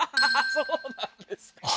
そうなんですかははは